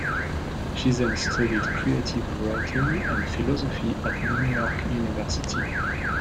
She then studied creative writing and philosophy at New York University.